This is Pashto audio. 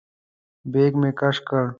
بیک مې کش کړ.